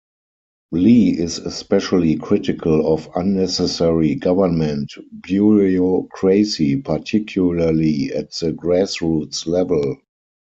Li is especially critical of unnecessary government bureaucracy, particularly at the grassroots level.